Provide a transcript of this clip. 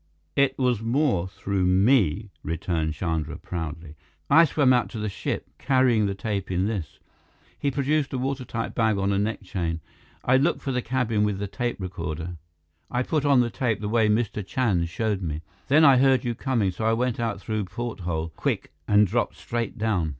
"It was more through me," returned Chandra proudly. "I swam out to the ship, carrying the tape in this." He produced a watertight bag on a neck chain. "I looked for the cabin with the tape recorder. I put on the tape, the way Mr. Chand showed me. Then I heard you coming, so I went out through porthole quick, and dropped straight down."